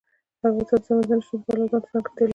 افغانستان د سمندر نه شتون د پلوه ځانته ځانګړتیا لري.